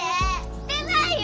してないよ！